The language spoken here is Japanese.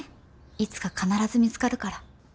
いつか必ず見つかるから。